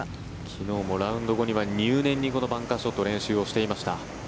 昨日もラウンド後には入念に、このバンカーショット練習をしていました。